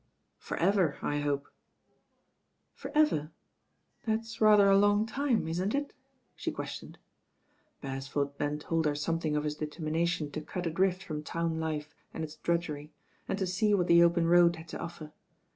"For ever I hope." "For ever I That's rather a long time, isn't it?" she questioned. Beresford then told her something of his deter mination to cut adrift from town life and its drudgery, and to see what the open road had to offer.